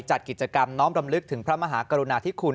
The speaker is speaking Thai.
จัดกิจกรรมน้อมรำลึกถึงพระมหากรุณาธิคุณ